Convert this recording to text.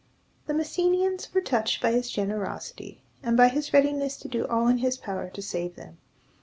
The Messenians were touched by his generosity, and by his readiness to do all in his power to save them.